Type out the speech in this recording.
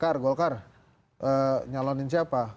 kar golkar nyalonin siapa